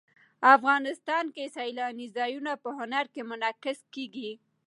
افغانستان کې سیلاني ځایونه په هنر کې منعکس کېږي.